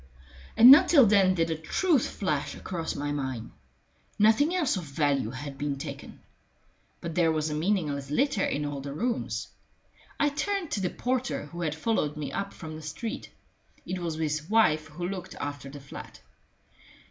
And not till then did the truth flash across my mind. Nothing else of value had been taken. But there was a meaningless litter in all the rooms. I turned to the porter, who had followed me up from the street; it was his wife who looked after the flat.